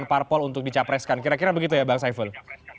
parpol untuk dicapreskan kira kira begitu ya bang saiful